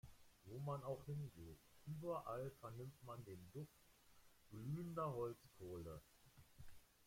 Wo man auch hingeht, überall vernimmt man den Duft glühender Holzkohle.